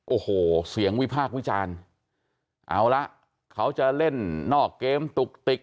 โอ้โหเสียงวิพากษ์วิจารณ์เอาละเขาจะเล่นนอกเกมตุกติก